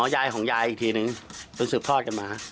ยายของยายอีกทีนึงจนสืบทอดกันมา